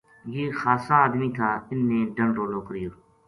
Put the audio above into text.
یہ خاصا ادمی تھا اِنھ نے ڈنڈ رولو کریو